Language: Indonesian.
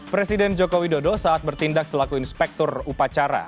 presiden joko widodo saat bertindak selaku inspektur upacara